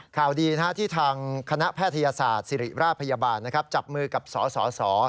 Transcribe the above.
ข่าวดีที่ทางคณะแพทยศาสตร์ศิริราชพยาบาลจับมือกับสส